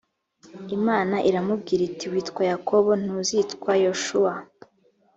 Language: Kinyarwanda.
imana iramubwira iti witwa yakobo ntuzitwa yoshuwa